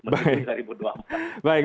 menuju jalan panjang